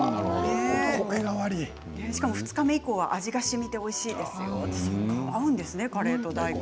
しかも２日目以降は味がしみておいしいということですよ。